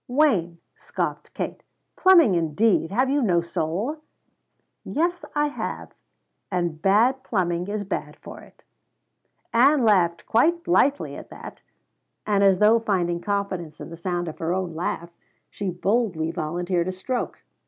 "Wayne," scoffed Kate, "plumbing indeed! Have you no soul?" "Yes, I have; and bad plumbing is bad for it." Ann laughed quite blithely at that, and as though finding confidence in the sound of her own laugh, she boldly volunteered a stroke.